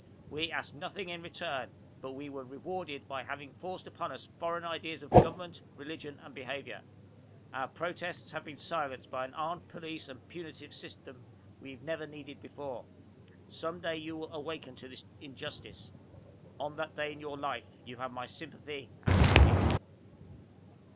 We asked nothing in return, but we were rewarded by having forced upon us foreign ideas of government, religion, and behavior. Our protests have been silenced by an armed police and punitive system we've never before needed. Someday you will awaken to this injustice. On that day in your life, you have my sympathy and pity!